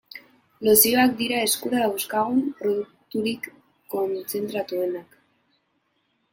Lozioak dira eskura dauzkagun produkturik kontzentratuenak.